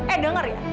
eh denger ya